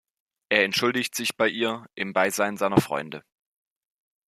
Er entschuldigt sich bei ihr im Beisein seiner Freunde.